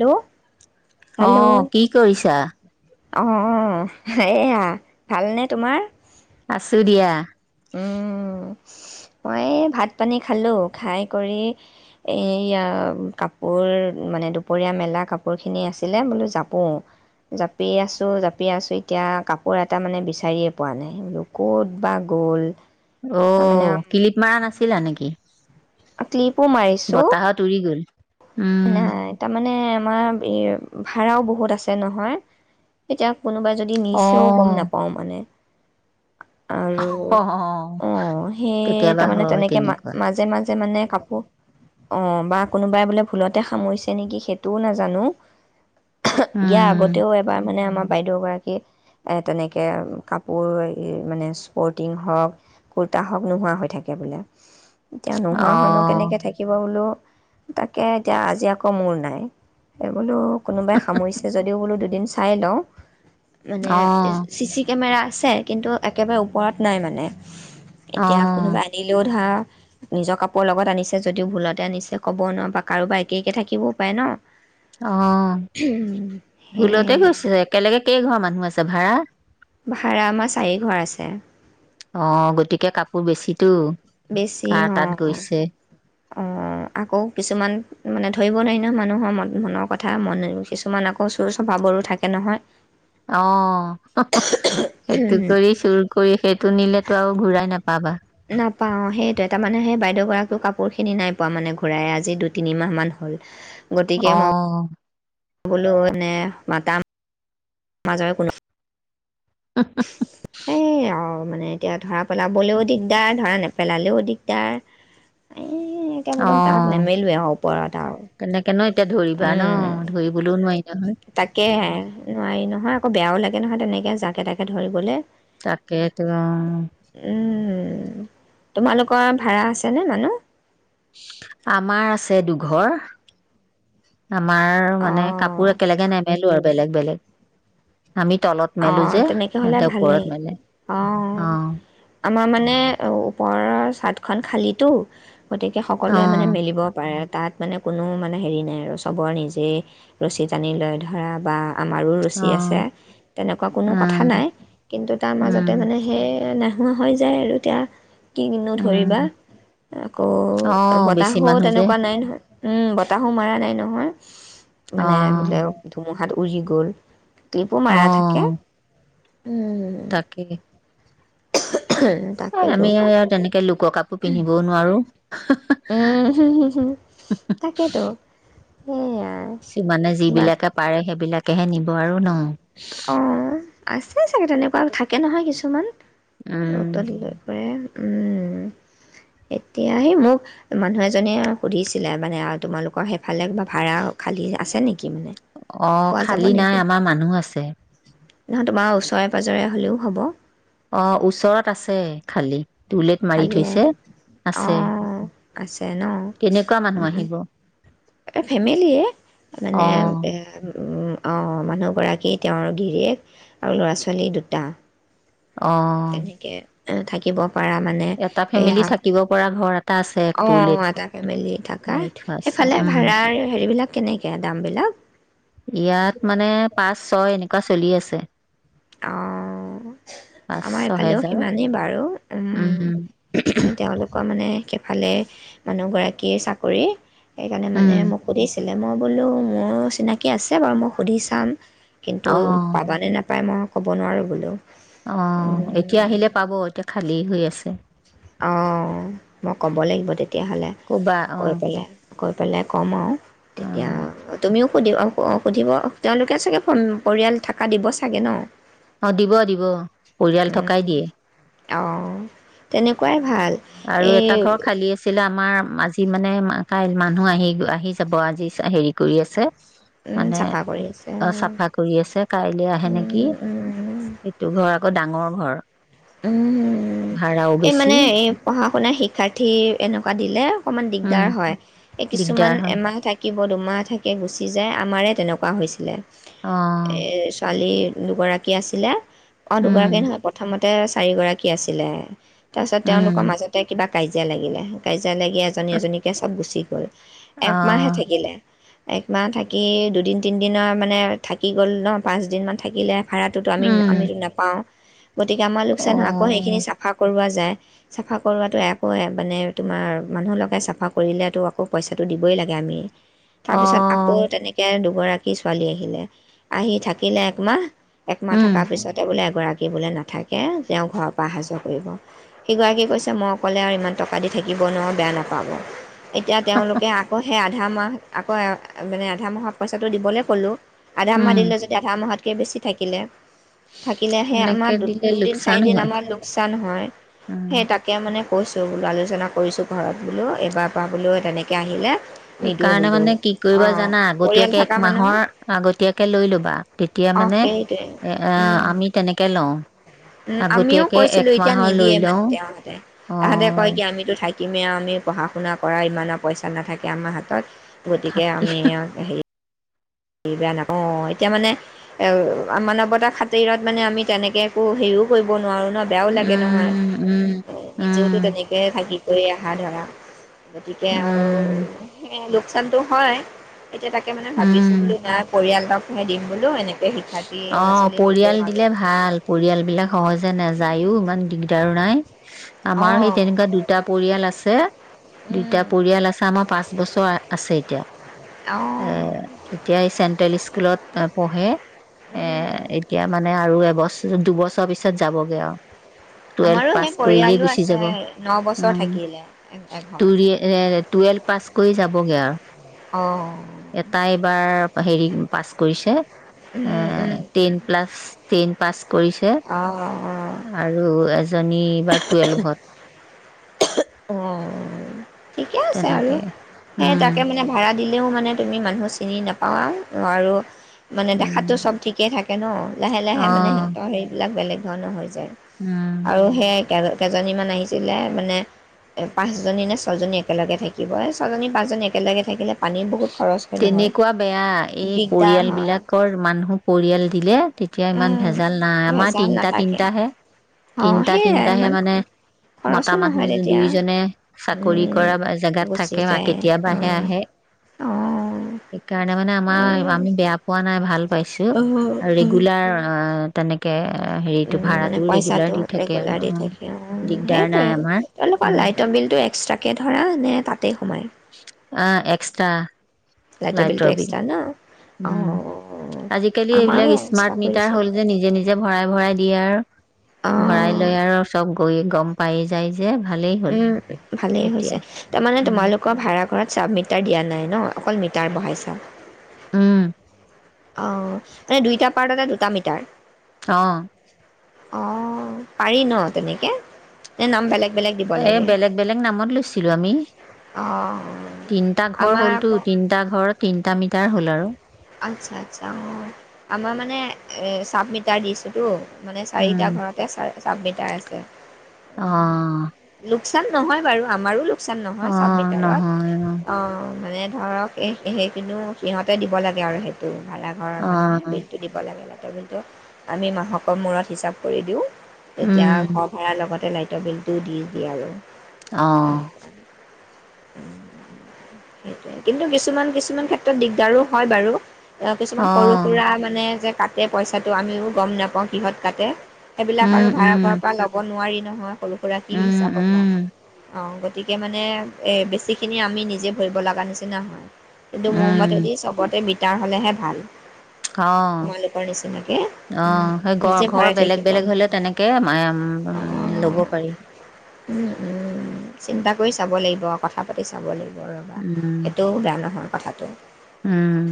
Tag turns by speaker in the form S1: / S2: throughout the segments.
S1: Hello
S2: অ কি কৰিছা
S1: অ এইয়া ভালনেে তোমাৰ
S2: আছুৰিয়া,
S1: উম মই এই ভাত পানী খালো খাই কৰি এই কাপোৰ মানে দুপৰীয়া মেলা কাপোৰ খিনি আছিলে বোলো জাপো জাপি আছো জাপি আছো এতিয়া কাপোৰ এটা মানে বিচাৰিয়ে পোৱা নাই বলো ক'ত বা গোল
S2: অ কিলিপ মাৰা নাছিলা নেকি
S1: ক্লিপো মাৰিছো
S2: বতাহত উৰি গল উম
S1: নাই এটা মানে আমাৰ ভা়াও বহুত আছে নহয় এতিয়া কোনোবাই যদি
S2: অ
S1: নিছেও গম নাপাও মানে আৰু অ সেই
S2: কেতিয়াবা
S1: তাৰ মানে
S2: হয়
S1: তেনেকে ম
S2: তেনেকুৱা
S1: মাজে মাজে মানে কাপোৰ অ বা কোনোবাই বোলে ভুলতে সামৰিছে নেকি সেইটোও নাজানো দিয়া
S2: উম
S1: আগতেও এবাৰ মানে আমাক বাইদেউ গৰাকী এ তেনেকে কাপোৰ মানে স্পৰ্টিং হওঁক কুৰ্তা হওক নোহোৱা হৈ থাকে বোলে এতিয়া নোহোৱা
S2: অ
S1: হনো কেনেকে থাকিব বোলো তাক াকে এতিয়া আজি আকৌ মোৰ নাই বোলো কোনোবাই সামৰিছে যদিও বোলো দুদিন চাইি লওঁ মানে
S2: অ
S1: চিচি কেমেৰা আছে কিন্তু একেবাৰে ওপৰত নাই মানে
S2: অ
S1: এতিয়া কোনোবা আনিলেও ধৰা নিজৰ কাপোৰ লগত আনিছে যদিও ভুলতে আনিছে ক'ব নোৱাৰা কাৰোবাৰ একে একে থাকিবও পাৰে ন
S2: অ
S1: সেয়াই
S2: ভুলতে গৈছে একেলগে কেইঘৰ মানুহ আছে ভাৰাা
S1: ভাড়া আমাৰ চাৰি ঘৰ আছে
S2: অ গতিকে কাপোৰ বেছিিতো
S1: বেছি অ অ আকৌ কিছুমান মানে ধৰিব নোৱাৰি নহয় মানুহৰ মন মনৰ কথা মন কিছুমান আকৌ চুৰ স্বভাৱৰো থাকে নহয়
S2: অ সেইটো কৰি চুৰ কৰি সেই তো নিলেতো আৰু ঘূৰাই নাপাবা
S1: নাপাও সেইটোে তাৰ মানে সেই বাইদেউ গৰাকীও কাপোৰ খিনি নাই পোৱা মানে ঘূৰাই আজি দুই তিনিমাহ মান হ'ল
S2: আহ
S1: বলেও এনেে মাতা মাজৰ কোনো
S2: উ
S1: সেয়ে আৰু মানে এতিয়া ধৰা পেলাবলৈও দিগদাৰ ধৰা নেপেলালেও দিগদাৰ এ একে ব্ত
S2: অ
S1: তাত নেমেলোৱে আৰু ওপৰত এটা আৰু
S2: তেনেকে ন এতিয়া ধৰিবা ন ধৰিবলৈও নোৱাৰিম
S1: তাকেে নোৱাৰি নহয় আকৌ বেয়াও লাগে নহয় তেনেকৈ জাকে তাকে ধৰিবলৈ
S2: তাকে তো
S1: উম তোমালোকৰ ভাড়া আছেনে মানুহ
S2: আমাৰ আছে দুঘৰ আমাৰ মানে
S1: অঁ
S2: কাপোৰ একেলগে নেমেলো আৰু বেলেগ বেলেগ আমি তলত
S1: অ
S2: মেলো যে
S1: তেনেকে হলে
S2: এহতে ওপৰত
S1: ভালেই
S2: মেলে
S1: অ অ আমাৰ মানে ওপৰৰ চাট খন খালিতো গতিকে
S2: অ
S1: সকলোৱে মানে মিলিব পাৰে তাত মানে কোনো মানে হেৰি নাই আৰু চবৰে নিজেই ৰছী টানি লৈ ধৰা বা আমাৰো
S2: অ
S1: ৰছী আছে তেনেকুৱা কোনো কথা
S2: উম
S1: নাই কিন্তু তাৰ মাজতে
S2: উম
S1: মানে সেই নোহোৱা হৈ যায় আৰু এতিয়া কি কিনো
S2: উম
S1: ধৰিবা আকৌ
S2: অ বেছি
S1: বতাহো
S2: মানুহ যে
S1: তেনেকুৱা নাই নহয় উম বতাহো মৰা নাই নহয়
S2: অ
S1: মানে বোলে ধুমুহাত উৰি গ'ল টিপো মাৰা থাকে
S2: অ
S1: উম
S2: তাকেই
S1: তাকেতো
S2: আমি আৰু আৰু তেনেকে লোকৰ কাপোৰ পিন্ধিবও নোৱাৰো
S1: উম হম হম হম থাকেতো সেইয়া
S2: মানে যিবিলাকে পাৰে সেইবিলাক তাকেহে নিব আৰু ন
S1: অ আছে চাগে তেনেকুৱা থাকে নহয় কিছুমান
S2: উম
S1: উতলি লৈ পৰে উম এতিয়া সেই মোক মানুহ এজনীয়ে সুধিছিলে মানে আৰু তোমালোকৰ সেইফালে ক ভাড়া খালী আছে নেকি মানে
S2: অ
S1: পোৱা যাব
S2: খালী নাই
S1: নেকি
S2: আমাৰ মানুহ আছে
S1: নহয় তোমাৰ ওচৰে পাজৰে হলেও হব
S2: অ ওচৰত আছে খালি টুলেট মাৰি
S1: খালীয়ে
S2: থৈছে
S1: অ
S2: আছে
S1: আছে ন
S2: কেনেকুৱা মানুহ আহিব
S1: ফেমিলিয়ে
S2: অ
S1: মানে এ অ মানুহগৰাকী তেওঁৰ গিৰিক আৰু ল'ৰা ছোৱালী দুটা
S2: অ
S1: তেনেকে থাকিব পাৰা মানে
S2: এটা ফেমিলি
S1: এয়া
S2: থাকিব পৰা ঘৰ এটা আছে টুলেট
S1: থকা
S2: মাৰি থোৱা আছে
S1: সেইফালে
S2: উম
S1: ভাড়াৰ হেৰিবিলাক কেনেকে দাম বিলাক
S2: ইয়াত মানে পাঁচ ছয় এনো চলি আছে
S1: অ
S2: পাঁচ
S1: আমাৰ এইফালেও
S2: ছহেজাৰ
S1: সিমানেই বাৰু
S2: উম
S1: তেওঁলোকৰ মানে সেইফালে মানুহগৰাকীয়ে চাকৰি সেইকাৰণে
S2: উম
S1: মানে মোক সুধিছিলো মই বোলো মোৰো চিনাকি আছে বাৰু মই সুধি চাম
S2: অ
S1: কিন্তু পাবা নে নাপ পই মই ক'ব নোৱাৰোঁ বোলো
S2: অ এতিয়া
S1: উম,
S2: আহিলে পাব এতিয়া খালী হৈ আছে
S1: অ মই ক'ব লাগিব তেতিয়া তেতিয়াহ'লে
S2: ক'বা অ
S1: কৈ পেলাই কৈ পেলাই ক'ম আৰু
S2: অ
S1: তেতিয়া তুমিও সুধিব অঁ সুধিব তেওঁলোকে চাগে পৰিয়াল থাককা দিব চাগে ন
S2: অ দিব দিব পৰিয়াল থকাই দিয়ে
S1: অঁ তেনেকুৱাই ভাল
S2: আৰু
S1: এই
S2: এটা ঘৰ খালী আছিলে আমাৰ আজি মানে মানে কাই মানুহ আহি আহি যাব আজি হেৰি কৰি আছে মানে
S1: চাফা কৰি আছে
S2: অ চাফা কৰি আছে কাইলৈ আহে নেকি এইটো ঘৰত আকৌ ডাঙৰ ঘৰ
S1: উম উম উ
S2: ভাড়াও
S1: এই
S2: বেছি
S1: মানে এই পঢ়া শুনা শিক্ষাৰ্থী এনেকুৱা দিলে অকণমান দিগদাৰ
S2: উম
S1: হয় এই কিছুমান
S2: দিগদাৰ হয়
S1: এমাহ থাকি থাকিব দুমাহ থাকে গুচি যায় আমাৰে তেনেকুৱা হৈছিলে
S2: অ
S1: এ ছোৱালীৰ দুগৰাকী আছিলে অ দুগৰাকী
S2: উম
S1: নহয় প্ৰথমতে তাতে চাৰিগৰাকী আছিলে তাৰ পিছত তেওঁলোকৰ
S2: উম
S1: মাজতে কিবা কাজিয়া লাগিলে কাজা যাই লাগি এজনী এজনীকে চব গুচি
S2: অ
S1: একমাহহে থাকিলে একমাহ থাকি দুদিন তিনিদিনৰ মানে থাকি গ'ল ন পাঁচদিনমান থাকিলে ভাড়াটোতোমি
S2: উম
S1: আমিতো নাপাওঁ গতিকে আমাৰ
S2: অ
S1: লোকচান হয় আকৌ সেইিনি চাফা কৰোৱাত যায় চাফা কৰোৱো একো মানে তোমাৰ মানুহ লগাই চাফা কৰিলে আকৌ পইচাটো দিবই লাগে আমি তাৰ
S2: অ
S1: পিছত আকৌ তেনেকে দুগৰাকী ছোৱালী আহিলে আহি থাকিলে একমাহ একমাহ থকাৰ
S2: উম
S1: পিছতে বোলে গৰাকী বোলে নায় াথাকে তেওঁ ঘৰৰ পৰা অহা যোৱা কৰিব সেইগৰাকীয়ে কৈছে মই অক'লে আৰু ইমান টকা দি থাকিব নোৱাৰোঁ বেয়া নাপাব এতিয়া তেওঁলোকে আকৌ সে ধা মাহ আকৌ মানে আধা মাহত পইচাটো দিবলৈ ক'লোঁ। আধা মাহ
S2: উম
S1: দিলে যদি আধা মাহত কে বেছি থাকিলে। থাকিলে সে আমাৰ
S2: তেনেকে দিলে
S1: দুদিন
S2: লোকচান
S1: চাৰিদিন
S2: হয়
S1: আমাৰ লোকচান হয়,
S2: উম
S1: সেই তাকে মা মানে কৈছোঁ বোলো আলোচনা কৰিছোঁ ঘৰত বোলো এইবাৰ পা বোলো তেনেকৈ আহিলে নিদিওঁ
S2: সেইকাৰণে
S1: বোলো
S2: মানে কি কৰিবা
S1: অঁ
S2: জানা
S1: পৰিয়াল
S2: আগতীয়াকে
S1: থকা মানুহ
S2: একমাহৰ আগতীয়াকে লৈ ল'বা, তেতিয়া
S1: অঁ
S2: মানে,
S1: সেইটোৱে
S2: এ,
S1: উম,
S2: আমি তেনেকে লওঁ।
S1: উম, আমিও
S2: আগতীয়াকে
S1: কৈছিলো এতিয়া
S2: একমাহৰ লৈ
S1: নিদিয়ে মানে
S2: লওঁ
S1: তেওহতে।
S2: অ
S1: তাহাঁতে কয় কি আমিতো থাক থাকিমে আও, আমি পঢ়া শুনা কৰা ইমানৰ পইচা নাথাকে আমাৰ হাতত। গতিকে
S2: থাকি
S1: আমিয় হেৰি [unintelligible] অহ, এতিয়া মানে এও মানৱতা খাতিৰত মানে আমি তেনেকে একো হেৰিও কৰিব নোৱাৰো ন বেয়াও লাগে নহয়।
S2: উম উম
S1: নিজেওতো
S2: উম
S1: তেনেকে থাকি কৰি অহা ধৰা। গতিকে আৰু
S2: উম
S1: সেয়ে লোকচানটো হয়। এতিয়া তাকে মান ভাবিছ ব
S2: উম
S1: নাই কৰি একদম ম দিম বোলো এনেকৈ
S2: অ' পৰিয়াল দিলে ভাল পৰিয়াল বিলাক সহজে নাযায়ো ইমান দিগদাৰ আই আমাৰ সেই
S1: অঁ
S2: তেনেকুৱা দুটা পৰিয়াল আছে দুটা
S1: উম
S2: পৰিয়াল আছে আমাৰ পাঁচ বছৰ আছে
S1: অঁ
S2: [inaudible] এ এতিয়া এই চেণ্ট্ৰেল স্কুলত পঢ়ে এ
S1: উম
S2: এতিয়া মানে আৰু এবছৰ দুবছৰ পিছত যাবগে আৰু টুৱেলভ
S1: আমাৰো
S2: পাছ
S1: সেই
S2: কৰিলেই
S1: পৰিয়ালো
S2: গুচি
S1: আছে
S2: যাব
S1: ন বছৰ
S2: উম
S1: থাকিলে
S2: টুৰি
S1: এঘৰ
S2: টুৱেলভ পাছ কৰি যাবগে আৰু
S1: অঁ
S2: এটাাই এইবাৰ হেৰি পাছ কৰিছে
S1: উম উম উম
S2: চেইন পা্ পৰিছে আৰু এজনী এইবাৰ টুৱেলভত
S1: অ ঠিকে আছে আৰু
S2: তেনেকে
S1: সেই
S2: উম
S1: তাকে মানে ভাড়া দিলেও মানে তুমি মানুহ চিনি নাপাওঁ আৰু মানে
S2: উম
S1: দেখাতটো চব ঠিকে থাকে কন লাহে লাহে
S2: অ
S1: মানে সিহঁতৰ সেইবিলাক বেলেগ ধানা হয়
S2: উম
S1: আৰু সেয় কেইজনীমান আহিছিলে মানে এ পাঁচজনী নে ছয়জনী একেলগে থাকিব ছয়জনী পাঁচজনী একেলগে থাকিলে পানীৰ বহুত খৰচ হয় নহয়
S2: তেনেকুৱা বেয়া এই
S1: দিগদাৰ
S2: পৰিয়াল
S1: হয়
S2: বিলাকৰ মানুহক পৰিয়াল দিলে তেতিয়া ইমান
S1: উম,
S2: ভেজাল নাই আমাৰ
S1: ভেজাল
S2: তিনটা
S1: নাথাকে
S2: তিনটাহে
S1: অ
S2: তিনটা
S1: সেয়াই
S2: তিনটাহে
S1: ইমান
S2: মানে
S1: খৰচো
S2: মতা
S1: নহয়
S2: মানুহ
S1: তেতিয়া
S2: দুইজনে চাকৰি
S1: উম,
S2: কৰা জেগাত
S1: গুচি
S2: থাকে বা
S1: যায়
S2: কেতিয়াবাহে আহে সেইকাৰণে আমাৰ আমি বেয়া পোৱা নাই ভাল পাইছে
S1: অ
S2: ৰেগুলাৰ তেনেেকে
S1: উ মানে পইচাটো
S2: আৰু
S1: ৰেগুলাৰ
S2: অ
S1: দি থাক
S2: দিগদাৰ
S1: সেইটোৱে
S2: নাই আমাৰ
S1: তেওঁলোকৰ
S2: উম
S1: লাইটৰ বিলটো এক্সট্ৰাকে ধৰা নে তাতেই সোমাই
S2: অ এক্সটা্ৰা
S1: লটাৰ বিিলটো এক্সট্ৰা ন
S2: উম
S1: অঁ
S2: আজিকালি
S1: আমাৰো
S2: এইবিলাক
S1: এক্সট্ৰা
S2: স্মাৰ্ট মিটাৰ
S1: কৰিছে
S2: হ'ল যে নিজে নিজে ভৰাই ভৰাই দি ইয়াৰ ভৰাই
S1: অঁ
S2: লৈ আৰু চব হৈ গম পাই যায় যে ভালেই হ'ল
S1: উম ভালেই
S2: এতিয়া
S1: হৈছে তাৰমানে
S2: উম
S1: তোমালোকৰ ভাড়া ঘৰত চাব মিটাৰ দিয়া নাই ন অকল মিটাৰ বহাই চা
S2: উম
S1: অ মানে দুইটা পাৰ্টতে দুটা মিটাৰ
S2: অ
S1: অ পাৰি ন তেনেকে ন নাম বেলেগ বেলেগ দিব
S2: এ
S1: লাগে
S2: বেলেগ বেলেগ নামত লৈছিলো আমি
S1: অঁ
S2: তিনটা ঘৰ
S1: আমাৰ
S2: হ'লতো
S1: আকৌ
S2: তিনটা ঘৰ তিন তাৰ মিতাৰ হ'ল আৰু
S1: আচ্ছা আচ্ছা অ আমাৰ মানে এ চাবমিটাৰ দিছে টো মানে
S2: উম
S1: চাৰিটা ঘৰতে চ চাবমিটাৰ আছে
S2: অ
S1: লোকচান নহয় বাৰু আমাৰো চান
S2: অ',
S1: নহয় চাপ মিতাৰত অ মানে ধৰক সেইখিনিও সিহতে দিব লাগে পিয়াৰ সেইটো ভাড়া ঘৰ মানুহে
S2: অ',
S1: বিলটো দিব লাগে অলপ আমি মাহকৰ মূৰত হিচাপ কৰি দিওঁ তেতিয়া
S2: উম,
S1: ঘৰ ভাড়া লগতে লাই লাইতৰ বিলাটো দি দিয়ে আৰু
S2: অ
S1: সেইটয়ে কিন্তু কিছুমান কিছুমান ক্ষেত্ৰত দিগদাৰো হয় বাৰু অ কিছুমান সৰু
S2: অ',
S1: সুৰা মানে যে কাটে পইচাটো আমিও গম নাপাওঁ কিহত কাটে সেইবিলাক আৰু
S2: উম,
S1: ভাড়া ঘৰৰ
S2: উম,
S1: পৰা লব নোৱাৰি নহয় কলো [unintelligible] গৰাকী
S2: উম,
S1: হিচাপত ল'ও
S2: উম,
S1: অঁ গতিকে মানে এই বেছিখিনি আমি নিজে ভৰিব লগা নিচিনা হয় এইটো মোৰ মতে
S2: উম,
S1: দি চব মিটাৰ হ'লেহে ভাল
S2: অ
S1: তোমালোকৰ নিচিনাকে
S2: অ
S1: উম,
S2: সেই ঘ
S1: নিজে
S2: ঘৰ
S1: ভৰাই
S2: বেলেগ
S1: থাকিব
S2: বেলেগ হলে তেনেকে
S1: অ
S2: লব পাৰি
S1: চিন্তা কৰি চাব লাগিব আৰু কথা পাতি চাব লাগিব ৰবা
S2: উম,
S1: সেইটো বেয়া নহয় কথাটো ত
S2: উম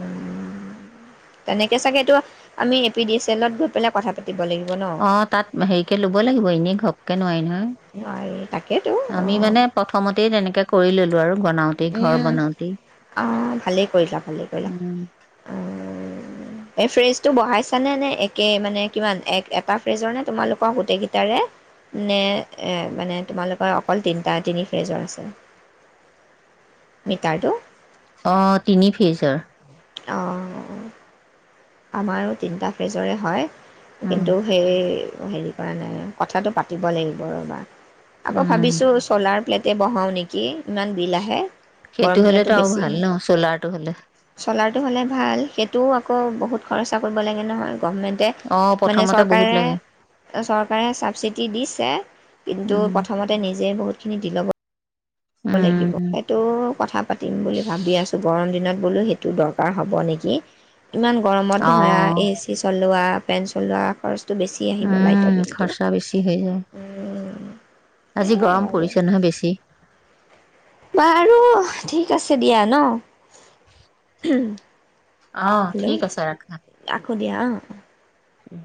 S1: উ তেনেকে চাগে এইটো আমি এ পি ডি এছ এলত গৈ পেলাই কথা পাতি
S2: অ' তাত হেৰিকে লবই লাগিব এনেই ঘপকে নোৱাৰি
S1: নোৱাৰি তাকেতো
S2: নহয়
S1: অ
S2: আমি মানে প্ৰথমতেই তেনেকে কৰি ললো আৰু বনাওতে ঘৰ
S1: উম
S2: বনাওতে
S1: অ ভালেই কৰিলা ভালেই কৰিলা এই ফ্ৰেজটো বঢ়াইছানে নে একে মানে কিমান এক এটা ফ্ৰেজৰ নে তোমালোকৰ গোটেইকেইটাৰে নে মানে তোমালোকৰ অকল তিনিটা তিনি ফ্ৰেজৰ আছে মিটাৰটো
S2: অ' তিনি ফেজৰ
S1: অঁ আমাৰো তিনিটা ফ্ৰেজৰে হয়
S2: উম,
S1: কিন্তু সেই হেৰি কৰা নাই কথাটো পাতিব লাগিব ৰবা আকৌ
S2: উম,
S1: ভাবিছো চলাৰ প্লেট বহাওঁ নেকি ইমান বিল আহে, গৰম
S2: সেইটো
S1: দিনতো
S2: হলেতো আৰু
S1: বেছি
S2: ভাল ন চলাৰটো হলে
S1: চ'লাৰটো হ'লে ভাল সেইটোও আকৌ বহুত খৰচা কৰিব লাগে নহয় গভমেণ্টে
S2: অ',
S1: মানে
S2: প্ৰথমতে বহুত
S1: চৰকাৰে
S2: লাগে
S1: চৰকাৰে ছাবচিডি দিছে কিন্তু
S2: উম।
S1: প্ৰথমতে নিজে বহুতখিনি দ ল'ব লাগিব
S2: উম,
S1: সেইটো কথা পাতিম বুলি ভাবি আছো গৰম দিনত সেইটো দৰকাৰ হ'ব নেকি ইমান
S2: অ,
S1: গৰমত ধৰা এ চি চল, লোৱা পেঞ্চিল লোৱা খৰচ টো বেছি আহিব লাইটৰ
S2: উম,
S1: বিলটো
S2: খৰচা বেছি হৈ যায়। আজি
S1: সেয়াই
S2: গৰম
S1: আৰু
S2: পৰিছে নহয় বেছি।
S1: বাৰু ঠিক আছে দিয়া ন
S2: [unintelligible]
S1: উম
S2: অ' ঠিক আছে ৰাখা
S1: আকো দিয়া অ
S2: উম